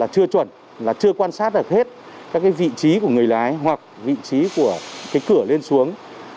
chưa chuẩn chưa quan sát được hết vị trí của người lái hoặc vị trí của cửa lên xuống